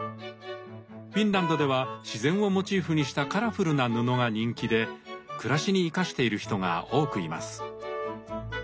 フィンランドでは自然をモチーフにしたカラフルな布が人気で暮らしに生かしている人が多くいます。